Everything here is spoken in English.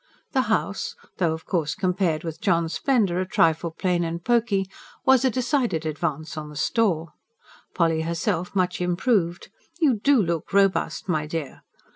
The house though, of course, compared with John's splendour, a trifle plain and poky was a decided advance on the store; Polly herself much improved: "You DO look robust, my dear!"